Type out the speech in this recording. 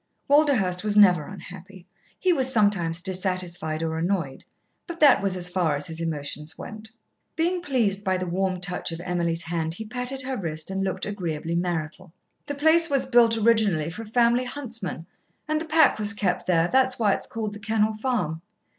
Walderhurst was never unhappy. He was sometimes dissatisfied or annoyed, but that was as far as his emotions went. Being pleased by the warm touch of Emily's hand, he patted her wrist and looked agreeably marital. "The place was built originally for a family huntsman, and the pack was kept there. That is why it is called The Kennel Farm.